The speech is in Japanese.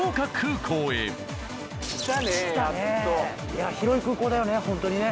いや広い空港だよね